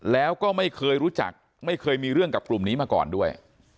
แล้วก็ไม่เคยรู้จักไม่เคยมีเรื่องกับกลุ่มนี้มาก่อนด้วย